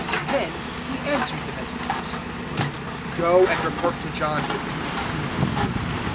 007:022 Then He answered the messengers, "Go and report to John what you have seen and heard.